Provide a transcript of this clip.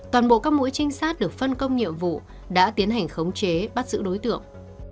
toàn bộ các mũi trinh sát được phân công nhiệm vụ đã tiến hành khống chế bắt giữ đối tượng